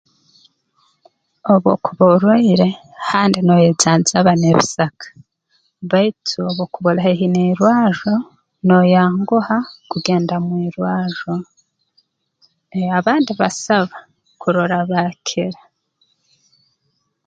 Obu okuba orwaire handi nooyejanjaba n'ebisaka baitu obu okuba oli haihi n'irwarro nooyanguha kugenda mu irwarro eeh abandi basaba kurora baakira